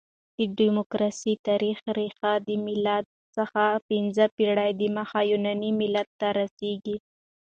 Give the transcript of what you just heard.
د ډیموکراسۍ تاریخي ریښه د مېلاد څخه پنځه پېړۍ دمخه يوناني ملت ته رسیږي.